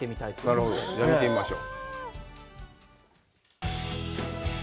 なるほど、じゃあ、見てみましょう。